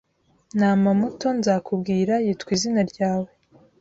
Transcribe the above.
Ntama muto nzakubwira Yitwa izina ryawe